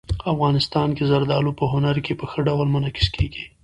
افغانستان کې زردالو په هنر کې په ښه ډول منعکس کېږي.